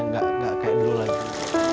nggak kayak dulu lagi